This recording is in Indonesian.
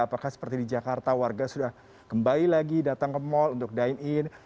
apakah seperti di jakarta warga sudah kembali lagi datang ke mall untuk dine in